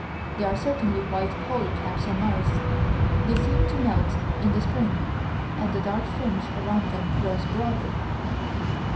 There are certainly white polar caps on Mars. They seem to melt in the spring, and the dark fringe round them grows broader.